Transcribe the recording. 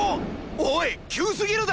おい急すぎるだろ！